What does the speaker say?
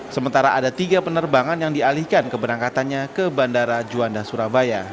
sementara ada tiga penerbangan yang dialihkan keberangkatannya ke bandara juanda surabaya